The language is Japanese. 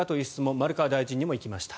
丸川大臣にも行きました。